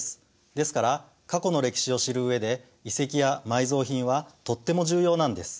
ですから過去の歴史を知る上で遺跡や埋蔵品はとっても重要なんです。